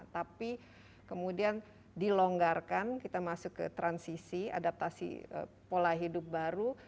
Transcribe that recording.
tapi kemudian dilonggarkan kita masuk ke transisi adaptasi pola hidup baru